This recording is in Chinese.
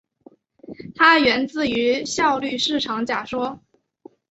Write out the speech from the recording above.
它源自于效率市场假说。